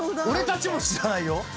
俺たちも知らないよ。